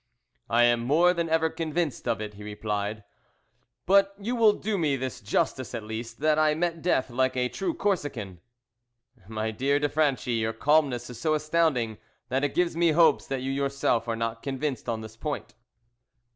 "I am more than ever convinced of it," he replied, "but you will do me this justice at least, that I met death like a true Corsican." "My dear de Franchi, your calmness is so astounding that it gives me hopes that you yourself are not convinced on this point."